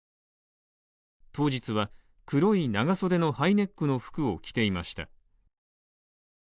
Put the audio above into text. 当日は黒い長袖のハイネックの服を着ていました。